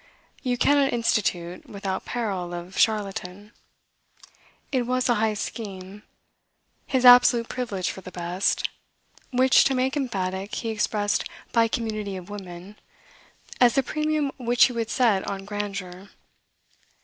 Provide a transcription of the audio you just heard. You cannot institute, without peril of charlatan. It was a high scheme, his absolute privilege for the best (which, to make emphatic, he expressed by community of women), as the premium which he would set on grandeur.